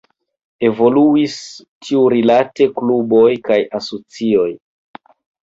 Evoluis tiurilate kluboj kaj asocioj.